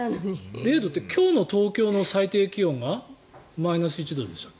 ０度って今日の東京の最低気温がマイナス１度でしたっけ？